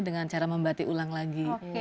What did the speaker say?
dengan cara membatik ulang lagi